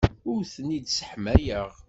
Ur ten-id-sseḥmayeɣ.